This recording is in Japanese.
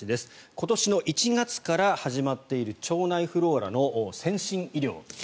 今年の１月から始まっている腸内フローラの先進医療。